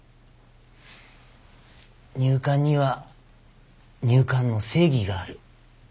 入管には入管の正義がある。